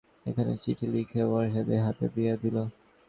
সে তাঁহার আদেশ অনুসারে একখানি চিঠি লিখিয়া বরদাসুন্দরীর হাতে দিয়া দিল।